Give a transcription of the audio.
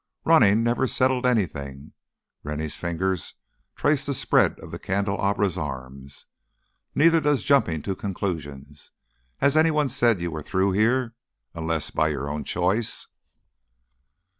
"Running never settled anything." Rennie's fingers traced the spread of the candelabra's arms. "Neither does jumping to conclusions. Has anyone said you were through here, unless by your own choice?"